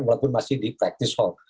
walaupun masih di practice hall